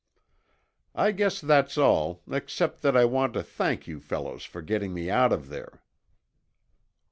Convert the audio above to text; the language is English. I guess that's all except that I want to thank you fellows for getting me out of there."